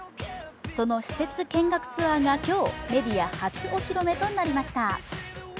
その施設見学ツアーが今日メディア初お披露目となりました。